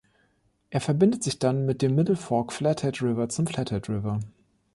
Er verbindet sich dann mit dem Middle Fork Flathead River zum Flathead River.